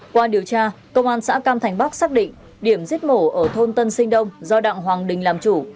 qua điều tra công an xã cam thành bắc xác định điểm giết mổ ở thôn tân sinh đông do đặng hoàng đình làm chủ